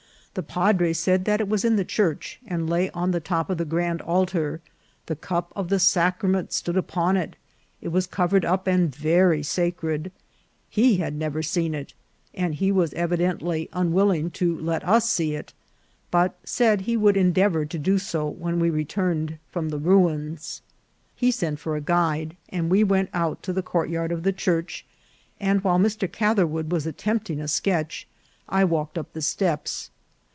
The padre said that it was in the church, and lay on the top of the grand altar ; the cup of the sacrament stood upon it ; it was covered up, and very sacred ; he had never seen it, and he was evidently unwilling to let us see it, but said he would endeavour to do so when we returned from the ruins. He sent for a guide, and we went out to the courtyard of the church ; and while Mr. Catherwood was attempting a sketch, I walk ed up the steps.